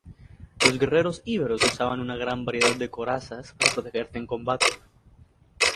Los guerreros íberos usaban una gran variedad de corazas para protegerse en combate.